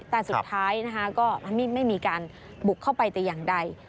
แต่สุดท้ายนะคะก็ไม่มีการบุกเข้าไปแต่อย่างใด